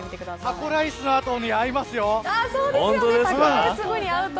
タコライスの後にも合いますよ、これ。